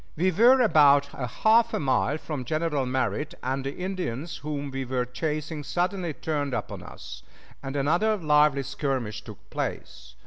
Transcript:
We were about half a mile from General Merritt, and the Indians whom we were chasing suddenly turned upon us, and another lively skirmish took place.